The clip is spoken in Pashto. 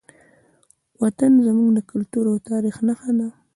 وطن زموږ د کلتور او تاریخ نښه ده.